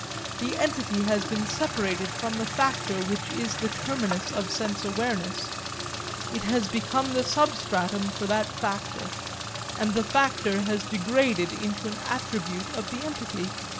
The entity has been separated from the factor which is the terminus of sense awareness. It has become the substratum for that factor, and the factor has been degraded into an attribute of the entity.